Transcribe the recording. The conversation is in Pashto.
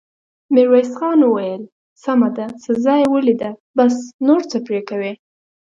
ميرويس خان وويل: سمه ده، سزا يې وليده، بس، نور څه پرې کوې!